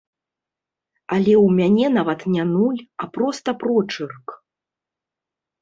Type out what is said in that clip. Але ў мяне нават не нуль, а проста прочырк.